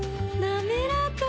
なめらか！